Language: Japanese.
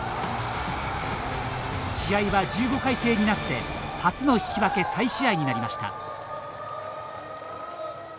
試合は１５回制になって初の引き分け再試合になりました。